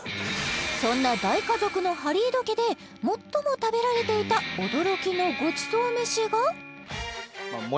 そんな大家族のハリード家で最も食べられていた驚きのごちそう飯が？